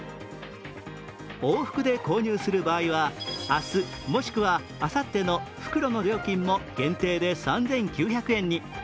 往復で購入する場合は明日もしくはあさっての復路の料金も限定で３９００円に。